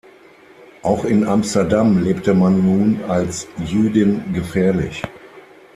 Auch in Amsterdam lebte man nun als Jüdin gefährlich.